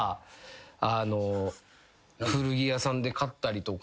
古着屋さんで買ったりとか。